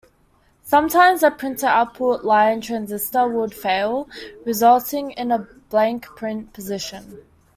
Sometimes a printer output line transistor would fail, resulting in a blank print position.